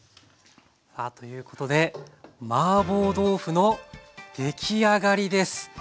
さあということでマーボー豆腐の出来上がりです。